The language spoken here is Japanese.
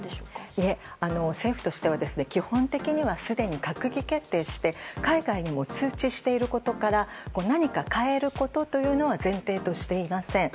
いえ、政府としては基本的にはすでに閣議決定して海外にも通知していることから何か変えることというのは前提としていません。